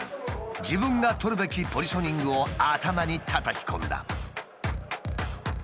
自分が取るべきポジショニングを頭にたたき込んだ。